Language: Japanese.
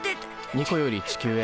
ニコより地球へ。